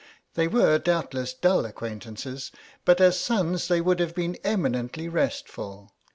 They were doubtless dull as acquaintances, but as sons they would have been eminently restful.